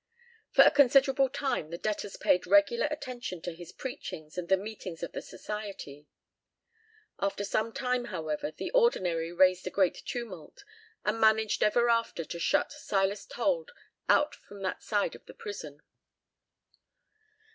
For a considerable time the debtors paid regular attention to his preachings and the meetings of the society. After some time, however, the ordinary "raised a great tumult," and managed ever after to shut Silas Told out from that side of the prison.